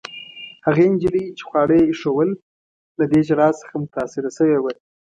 هغې نجلۍ، چي خواړه يې ایښوول، له دې ژړا څخه متاثره شوې وه.